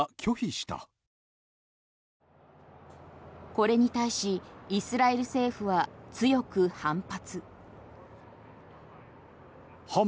これに対しイスラエル政府は強く反発。